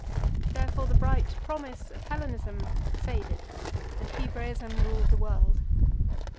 Therefore the bright promise of Hellenism faded, and Hebraism ruled the world.